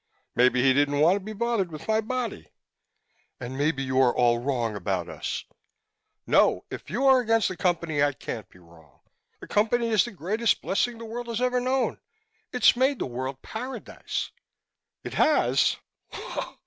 "Maybe he didn't want to be bothered with my body." "And maybe you are all wrong about us!" "No! If you're against the Company, I can't be wrong. The Company is the greatest blessing the world has ever known it's made the world a paradise!" "It has?"